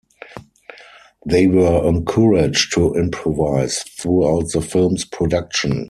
They were encouraged to improvise throughout the film's production.